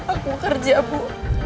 aku kerja bu